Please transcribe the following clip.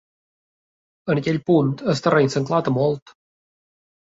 En aquell punt el terreny s'enclota molt.